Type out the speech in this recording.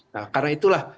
nah karena itulah